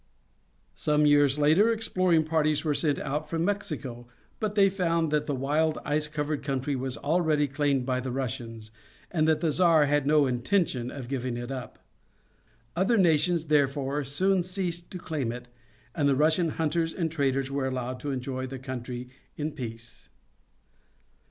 Some years later exploring parties were sent out from Mexico, but they found that the wild ice covered country was already claimed by the Russians, and that the Czar had no intention of giving it up. Other nations, therefore, soon ceased to claim it, and the Russian hunters and traders were allowed to enjoy the country in peace.